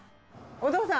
「お父さん！」